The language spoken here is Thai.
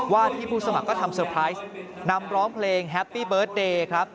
ที่ผู้สมัครก็ทำเตอร์ไพรส์นำร้องเพลงแฮปปี้เบิร์ตเดย์ครับ